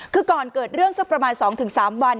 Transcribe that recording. คือก่อนเกิดเรื่องสักประมาณ๒๓วัน